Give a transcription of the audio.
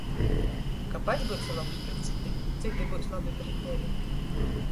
Ka pats byusi lobs pret cytim, cyti byus lobi pret tevi.